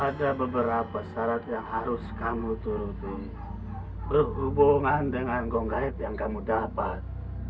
ada beberapa syarat yang harus kamu turuti berhubungan dengan gong gaib yang kamu dapat